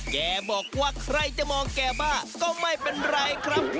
แกบอกว่าใครจะมองแกบ้าก็ไม่เป็นไรครับ